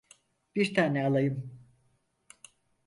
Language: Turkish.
Bir tane alayım.